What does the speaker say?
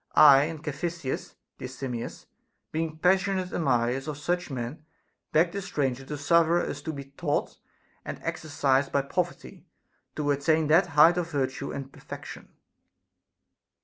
1 and Caphisias, dear Simmias, being passionate admirers of such men, beg the stranger to suffer us to be taught and exercised by poverty to attain that height of virtue and perfection.